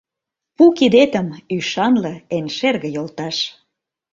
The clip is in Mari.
Пу кидетым, ӱшанле, Эн шерге йолташ!